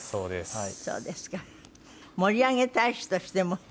はい。